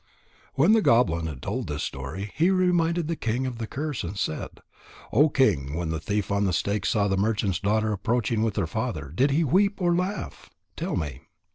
When the goblin had told this story, he reminded the king of the curse, and said: "O king, when the thief on the stake saw the merchant's daughter approaching with her father, did he weep or laugh? Tell me."